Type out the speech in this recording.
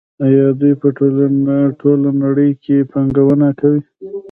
آیا دوی په ټوله نړۍ کې پانګونه نه کوي؟